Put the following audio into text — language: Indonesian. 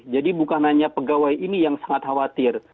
jadi bukan hanya pegawai ini yang sangat khawatir